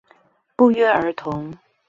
不約而同